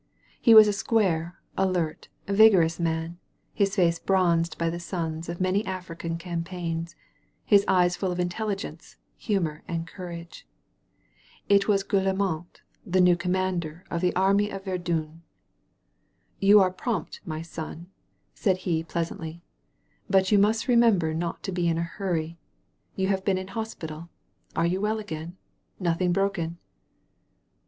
He was a square, alert, vigorous man, his face bronzed by the suns of many African cam paigns, his eyes full of intelligence, humor, and <;ourage. It was Guillaumat, the new conmiander of the Army of Verdun. •*You are prompt, my son," said he pleasantly, but you must remember not to be in a hurry. You have been in hospital. Are you well again? Nothing broken?"